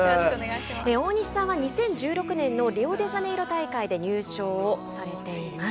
大西さんは２０１６年のリオデジャネイロ大会で入賞をされています。